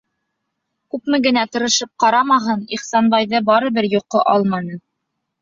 Күпме генә тырышып ҡарамаһын, Ихсанбайҙы барыбер йоҡо алманы.